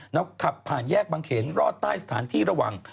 แล้วขับผ่านแยกบางเขนรอดใต้สถานที่ระหว่าง